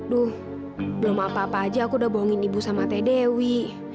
duh belum apa apa aja aku udah bohongin ibu sama teh dewi